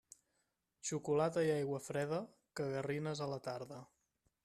Xocolata i aigua freda, cagarines a la tarda.